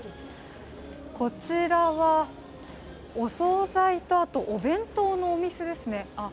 こちらは、お総菜とお弁当のお店ですね。